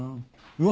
うわ。